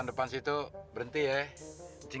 orang lagi rupiahnya